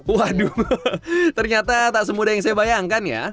waduh ternyata tak semudah yang saya bayangkan ya